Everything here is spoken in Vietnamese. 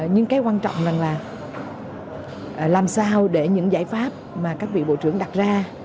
nhưng cái quan trọng rằng là làm sao để những giải pháp mà các vị bộ trưởng đặt ra